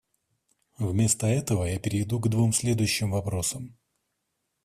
Вместо этого я перейду к двум следующим вопросам.